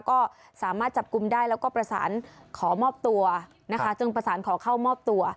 ก็สามารถจับกุมได้แล้วก็ประสานขอมอบตัวนะคะ